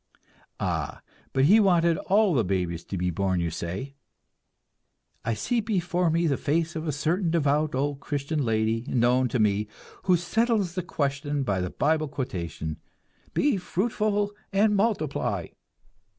Ah, but he wanted all the babies to be born, you say! I see before me the face of a certain devout old Christian lady, known to me, who settles the question by the Bible quotation, "Be fruitful and multiply."